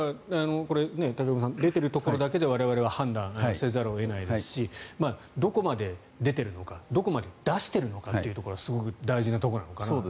武隈さん出ているところだけで我々は判断せざるを得ないですしどこまで出ているのかどこまで出しているのかということがすごく大事なところなのかなと。